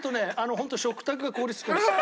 本当食卓が凍りつくんですよ。